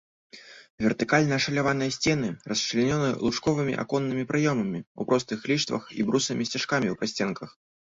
Вертыкальна ашаляваныя сцены расчлянёны лучковымі аконнымі праёмамі ў простых ліштвах і брусамі-сцяжкамі ў прасценках.